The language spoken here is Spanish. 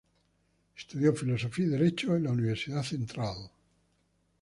Estudió Filosofía y Derecho en la Universidad Central.